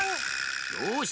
よし！